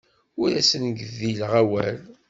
Ur asen-gdileɣ awal.